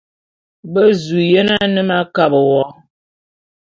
Be zu yen ane m'akabe wo.